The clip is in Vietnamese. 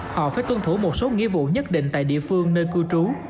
họ phải tuân thủ một số nghĩa vụ nhất định tại địa phương nơi cư trú